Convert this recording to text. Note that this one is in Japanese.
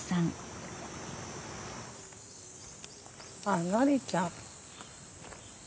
あっノリちゃん！